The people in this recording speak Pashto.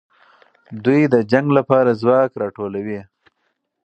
دوی د جنګ لپاره ځواک راټولوي.